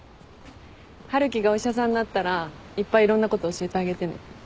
春樹がお医者さんになったらいっぱいいろんなこと教えてあげてね。